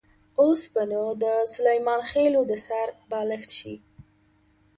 اوس به نو د سلیمان خېلو د سر بالښت شي.